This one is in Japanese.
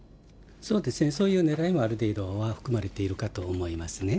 そうですね、そういうねらいもある程度は含まれているかと思いますね。